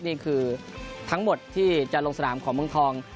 นี่คือทั้งหมดที่จะลงสนามของเมืองทอง